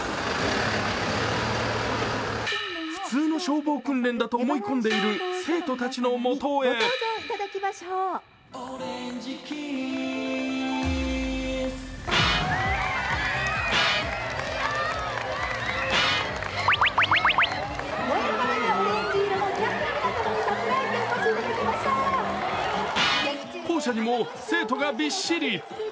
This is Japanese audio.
普通の消防訓練だと思い込んでいる生徒たちのもとへ校舎にも生徒がびっしり。